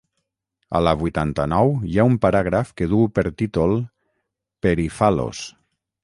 A la vuitanta-nou hi ha un paràgraf que duu per títol "Peri Phalos".